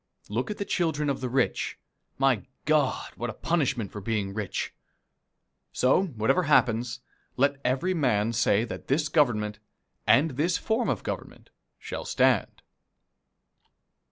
Look at the children of the rich. My God, what a punishment for being rich! So, whatever happens, let every man say that this Government, and this form of government, shall stand.